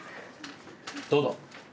どうぞ。